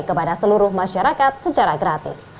kepada seluruh masyarakat secara gratis